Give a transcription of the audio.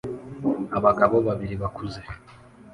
Abagabo babiri bakuze